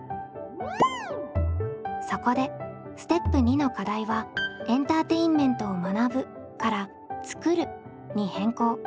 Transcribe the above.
そこでステップ２の課題はエンターテインメントを「学ぶ」から「作る」に変更。